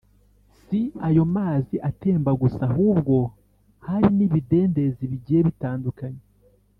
si ayo mazi atemba gusa; ahubwo hari n’ibidendezi bigiye bitandukanye